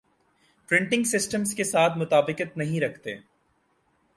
پریٹنگ systems کے ساتھ مطابقت نہیں رکھتے